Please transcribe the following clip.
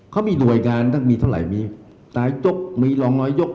เขามีหน่วยงานตั้งมีเท่าไหร่มีตายยกมีรองน้อยยก